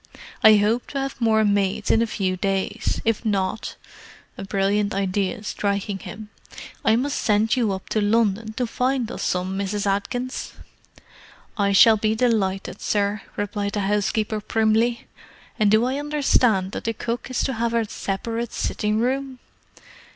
I hope to have more maids in a few days; if not"—a brilliant idea striking him—"I must send you up to London to find us some, Mrs. Atkins." "I shall be delighted, sir," replied the housekeeper primly. "And do I understand that the cook is to have a separate sitting room?"